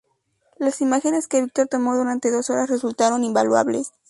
Las imágenes que Víctor tomó durante dos horas resultaron invaluables.